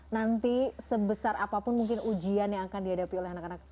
nanti sebesar apapun mungkin ujian yang akan dihadapi oleh anak anak